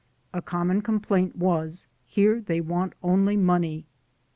A common complaint was : "Here they want only money."